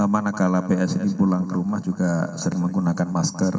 mana kala ps ini pulang ke rumah juga sering menggunakan masker